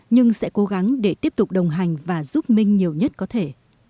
nhưng sẽ cố gắng để tiếp tục đồng hành và giúp minh nhiều nhất có thể